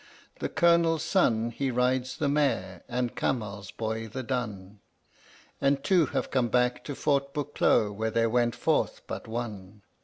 The Colonel's son he rides the mare and Kamal's boy the dun, And two have come back to Fort Bukloh where there went forth but one.